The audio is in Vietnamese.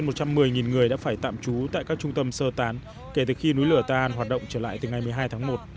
hơn một trăm một mươi người đã phải tạm trú tại các trung tâm sơ tán kể từ khi núi lửa ta an hoạt động trở lại từ ngày một mươi hai tháng một